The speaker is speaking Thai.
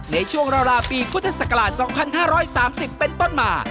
ในช่วงราวปีพุทธศักราช๒๕๓๐เป็นต้นมา